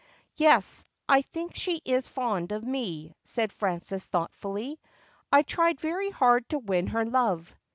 ' Yes, I think she is fond of me,' said Frances thoughtfully. 'I tried very hard to win her love.'